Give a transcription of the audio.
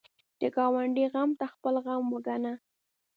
د ګاونډي غم ته خپل غم وګڼه